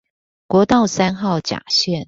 國道三號甲線